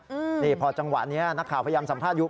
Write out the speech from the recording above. อืมนี่พอจังหวะนี้นักข่าวพยายามสัมภาษณ์อยู่